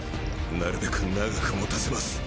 なるべく長く保たせます。